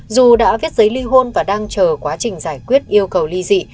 dù đã viết giấy ly hôn và đang chờ quá trình giải quyết yêu cầu ly dị